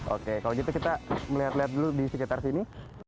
oke kalau gitu kita melihat lihat dulu di sekitar sini